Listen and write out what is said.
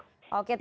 oke terima kasih